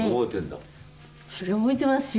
そりゃ覚えていますよ。